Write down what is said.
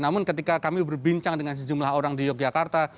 namun ketika kami berbincang dengan sejumlah orang di yogyakarta